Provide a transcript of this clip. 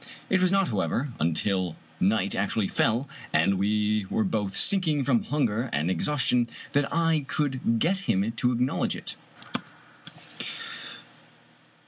It was not, however, until night actually fell, and we were both sinking from hunger and exhaustion, that I could get him to acknowledge it.